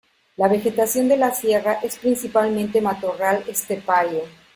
La vegetación de la sierra es principalmente matorral estepario.